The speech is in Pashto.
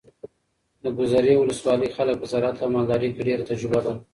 د ګذرې ولسوالۍ خلک په زراعت او مالدارۍ کې ډېره تجربه لري.